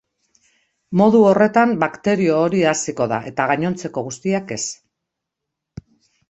Modu horretan bakterio hori haziko da eta gainontzeko guztiak ez.